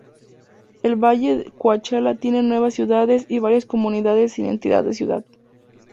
El Valle Coachella contiene nueve ciudades y varias comunidades sin entidad de ciudad.